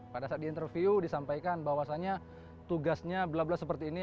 pada saat diinterview disampaikan bahwasannya tugasnya bla bla seperti ini